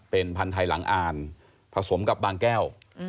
เป็นพันธุ์ไทยหลังอ่านผสมกับบางแก้ว